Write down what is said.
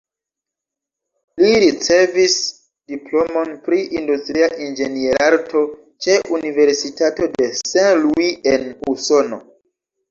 Li ricevis diplomon pri industria inĝenierarto ĉe Universitato de Saint Louis en Usono.